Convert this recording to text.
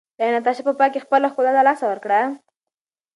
ایا ناتاشا په پای کې خپله ښکلا له لاسه ورکړه؟